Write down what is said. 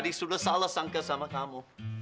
ini sudah salah sangka sama kamu